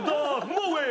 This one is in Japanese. もういい。